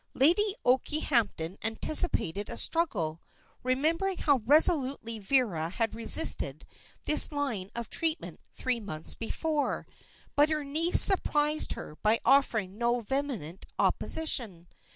Lady Okehampton anticipated a struggle, remembering how resolutely Vera had resisted this line of treatment three months before; but her niece surprised her by offering no vehement opposition.